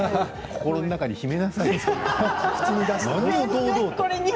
心の中に秘めなさいよ。